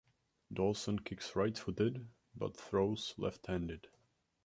Dawson kicks right-footed but throws left-handed.